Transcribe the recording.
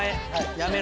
やめろ。